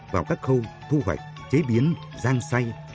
vào các khâu thu hoạch chế biến rang say